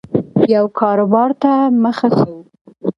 یو کاربار ته مخه کوو